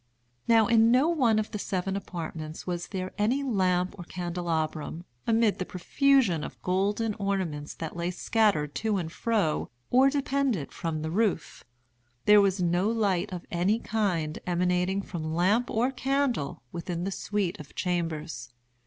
Now in no one of the seven apartments was there any lamp or candelabrum, amid the profusion of golden ornaments that lay scattered to and fro or depended from the roof. There was no light of any kind emanating from lamp or candle within the suite of chambers.